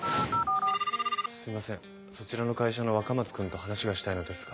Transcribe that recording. すいませんそちらの会社の若松君と話がしたいのですが。